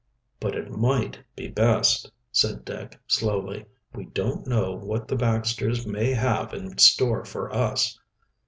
"But it might be best," said Dick slowly. "We don't know what the Baxters may have in store for us."